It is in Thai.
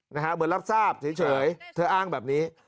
เหมือนรับทราบเฉยเธออ้างแบบนี้